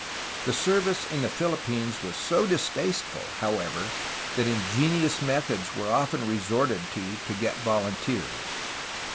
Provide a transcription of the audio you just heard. The service in the Philippines was so distasteful, however, that ingenious methods were often resorted to to get volunteers.